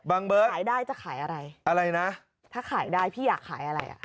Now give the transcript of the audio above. บังเบิร์ดอะไรนะถ้าขายได้พี่อยากขายอะไรจะขายอะไร